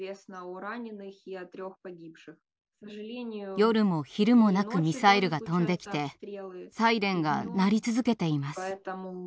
夜も昼もなくミサイルが飛んできてサイレンが鳴り続けています。